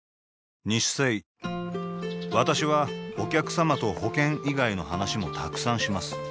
私はお客様と保険以外の話もたくさんします